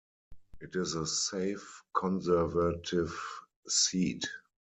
It is a safe Conservative seat.